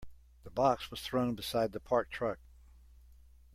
The box was thrown beside the parked truck.